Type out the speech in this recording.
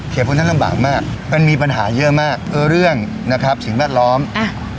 พวกนั้นลำบากมากมันมีปัญหาเยอะมากเออเรื่องนะครับสิ่งแวดล้อมอ่า